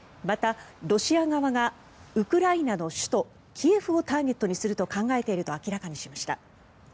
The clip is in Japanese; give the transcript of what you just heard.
また、ロシア側がウクライナの首都キエフをターゲットにすると考えていると明らかにしました。